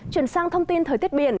chuyển sang thông tin thời tiết biển